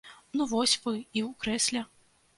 Ну, вось вы і ў крэсле.